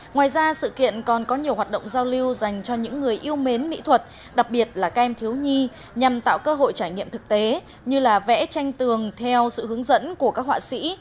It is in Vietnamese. ngoài ra sự kiện còn có nhiều hoạt động giao lưu dành cho những người yêu mến mỹ thuật đặc biệt là các em thiếu nhi nhằm tạo cơ hội trải nghiệm thực tế như là vẽ tranh tường theo sự hướng dẫn của các họa sĩ